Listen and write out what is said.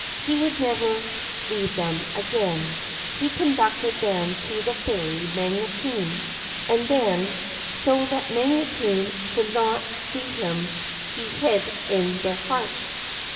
He would never leave them again. He conducted them to the fairy Magotine, and then, so that Magotine should not see him, he hid in their hearts.